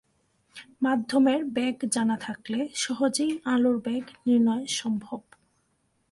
মাধ্যমের বেগ জানা থাকলে সহজেই আলোর বেগ নির্নয় সম্ভব।